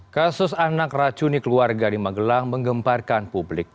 kasus anak racuni keluarga di magelang menggemparkan publik